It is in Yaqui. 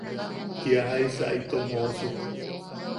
¡Kia jaisa itom joosuk!